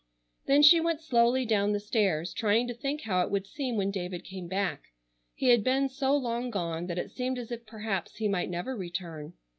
Then she went slowly down the stairs, trying to think how it would seem when David came back. He had been so long gone that it seemed as if perhaps he might never return.